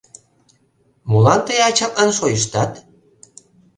Молан тый ачатлан шойыштат?